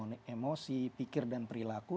mungkin di emosi pikir dan perilaku